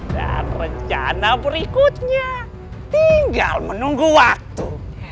dan rencana berikutnya tinggal menunggu waktu